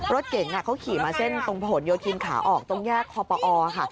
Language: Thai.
รถเก๋งเขาขี่มาเส้นตรงผนโยธินขาออกตรงแยกคอปอค่ะ